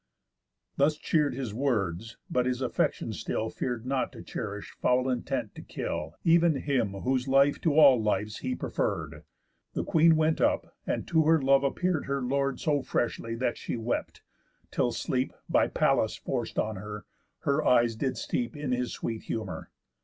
_ Thus cheer'd his words, but his affections still Fear'd not to cherish foul intent to kill Ev'n him whose life to all lives he preferr'd. The queen went up, and to her love appear'd Her lord so freshly, that she wept, till sleep (By Pallas forc'd on her) her eyes did steep In his sweet humour.